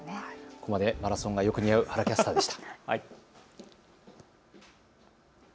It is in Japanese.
ここまでマラソンがよく似合う原キャスターでした。